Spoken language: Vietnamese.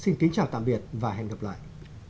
xin kính chào tạm biệt và hẹn gặp lại